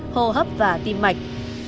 hô hấp và tim mạch